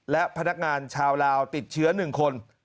และพนักงานชาวลาวติดเชื้อ๑คน